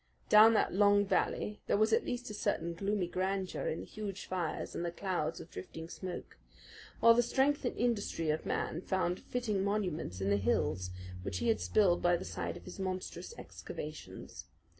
Down that long valley there was at least a certain gloomy grandeur in the huge fires and the clouds of drifting smoke, while the strength and industry of man found fitting monuments in the hills which he had spilled by the side of his monstrous excavations.